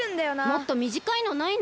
もっとみじかいのないの？